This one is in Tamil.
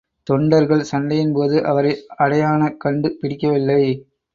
தொண்டர்கள், சண்டையின்போது அவரை அடையான, கண்டு பிடிக்கவில்லை.